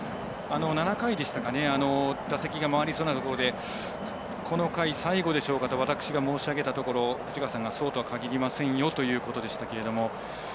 ７回でしたかね打席が回りそうなところでこの回、最後でしょうか？と私が申し上げたところ藤川さんがそうとはかぎりませんよというところでしたけど。